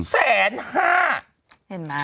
แสนห้า